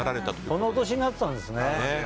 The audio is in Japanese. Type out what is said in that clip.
そんなお年になってたんですね。